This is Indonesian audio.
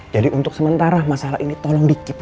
jadi untuk sementara masalah ini tolong di keep